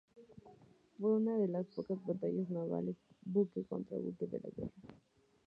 Fue una de las pocas batallas navales buque contra buque de la guerra.